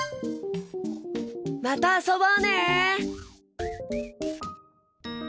またあそぼうね！